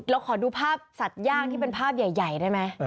เราขอดูภาพสัตว์ย่างที่เป็นภาพใหญ่ได้ไหม